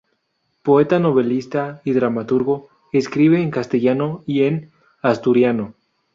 Poeta, novelista y dramaturgo, escribe en castellano y en asturiano.